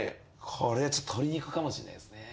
これ鶏肉かもしんないですね。